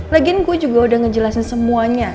lagi yang gue juga udah ngejelasin semuanya